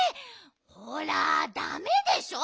ほらだめでしょ。